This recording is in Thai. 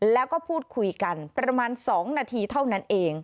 แล้วก็พูดคุยกันประมาณ๒นาทีเท่านั้นเอง